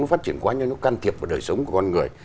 nó phát triển quá nhanh nó can thiệp vào đời sống của con người